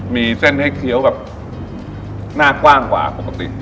มีเส้นให้เคี้ยวแบบหน้ากว้างกว่าปกติ